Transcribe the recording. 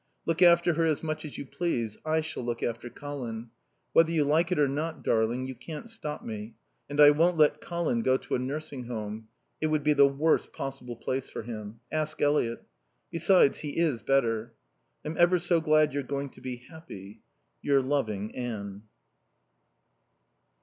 Look after her as much as you please I shall look after Colin. Whether you like it or not, darling, you can't stop me. And I won't let Colin go to a nursing home. It would be the worst possible place for him. Ask Eliot. Besides, he is better. I'm ever so glad you're going to be happy. Your loving ANNE.